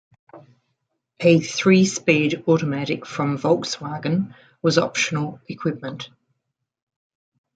A three-speed automatic from Volkswagen was optional equipment.